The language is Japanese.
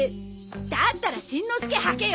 だったらしんのすけ履けよ！